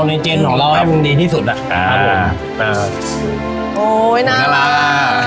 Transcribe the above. ในเจนของเราให้มันดีที่สุดอ่ะอ่าโอ้ยน่ารักน่ารัก